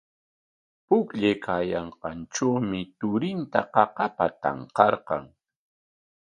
Pukllaykaayanqantrawmi turinta qaqapa tanqarqan.